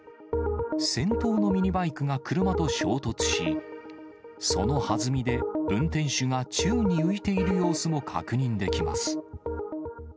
先頭のミニバイクが車と衝突し、そのはずみで運転手が宙に浮いている様子も確認できます。